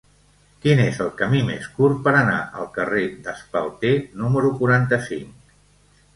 Quin és el camí més curt per anar al carrer d'Espalter número quaranta-cinc?